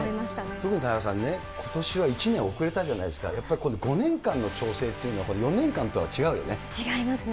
特に、田中さんね、ことしは１年遅れたじゃないですか、やっぱり５年間の調整っていうの違いますね。